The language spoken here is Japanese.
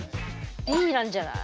Ｂなんじゃない？